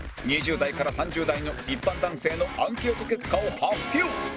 ２０代から３０代の一般男性のアンケート結果を発表